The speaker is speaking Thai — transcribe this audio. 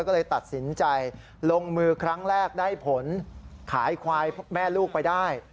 ก็เลยตัดสินใจลงมือครั้งแรกได้ผลขายควายแม่ลูกไปได้